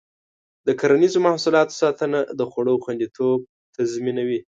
د کرنیزو محصولاتو ساتنه د خوړو خوندیتوب تضمینوي.